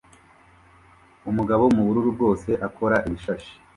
Umugabo mubururu bwose akora ibishashi